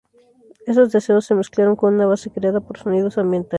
Esos deseos se mezclaron con una base creada por sonidos ambientales.